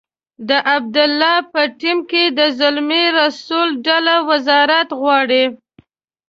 د عبدالله په ټیم کې د زلمي رسول ډله وزارت غواړي.